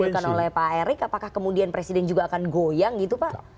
yang dilakukan oleh pak erick apakah kemudian presiden juga akan goyang gitu pak